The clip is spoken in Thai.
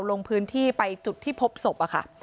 ลงพื้นที่ไปจุดที่พบศพค่ะ